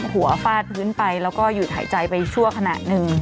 ฟาดพื้นไปแล้วก็หยุดหายใจไปชั่วขณะหนึ่ง